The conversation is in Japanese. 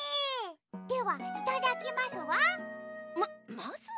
ではいただきますわ。